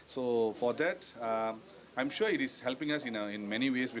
jadi untuk itu saya yakin ini membantu kita dalam banyak cara